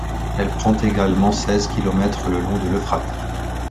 Elle prend également seize kilomètres le long de l'Euphrate.